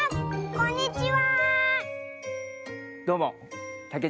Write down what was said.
こんにちは！